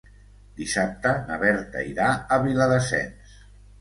Dissabte na Berta irà a Viladasens.